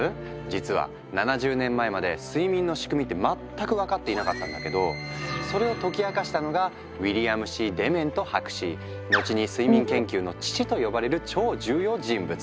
実は７０年前まで睡眠の仕組みって全く分かっていなかったんだけどそれを解き明かしたのが後に睡眠研究の父と呼ばれる超重要人物！